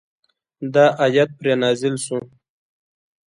دا آیت پرې نازل شو.